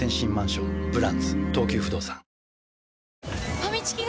ファミチキが！？